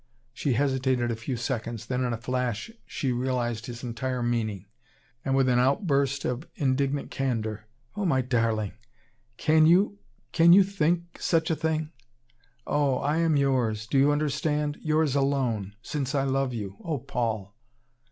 She hesitated a few seconds, then in a flash she realized his entire meaning, and with an outburst of indignant candor: "Oh! my darling! can you can you think such a thing? Oh! I am yours do you understand? yours alone since I love you oh! Paul!"